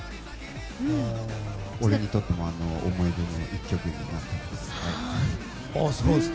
俺にとっても思い出の１曲になっています。